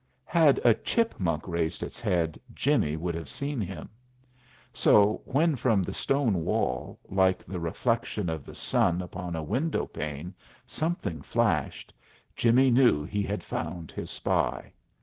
Had a chipmunk raised his head, Jimmie would have seen him. So, when from the stone wall, like the reflection of the sun upon a window pane, something flashed, Jimmie knew he had found his spy.